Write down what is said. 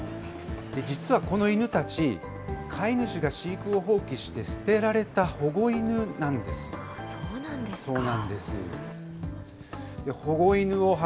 実はこの犬たち、飼い主が飼育を放棄して捨てられた保護犬なんです。